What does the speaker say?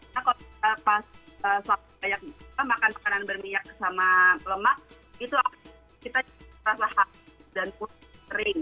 karena kalau kita pas banyak makan makanan berminyak sama lemak itu kita merasa haus dan kering